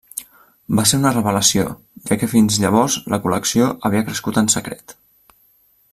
Va ser una revelació, ja que fins llavors la col·lecció havia crescut en secret.